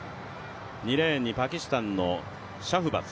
２レーンにパキスタンのシャフバズ。